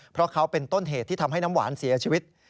เพราะเขาเป็นต้นเหตุที่ทำให้น้ำหวานเสียชีวิต